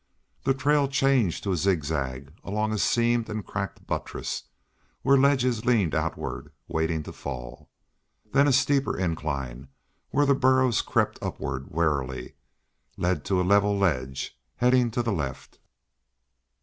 The trail changed to a zigzag along a seamed and cracked buttress where ledges leaned outward waiting to fall. Then a steeper incline, where the burros crept upward warily, led to a level ledge heading to the left.